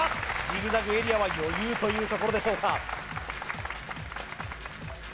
ジグザグエリアは余裕というところでしょうか